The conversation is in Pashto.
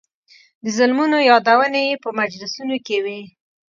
د ظلمونو یادونې یې په مجلسونو کې وې.